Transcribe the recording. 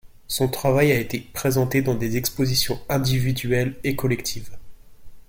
Son travail a été présenté dans des expositions individuelles et collectives.